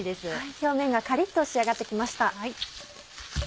表面がカリッと仕上がって来ました。